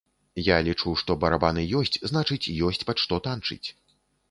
Я лічу, што барабаны ёсць, значыць, ёсць пад што танчыць.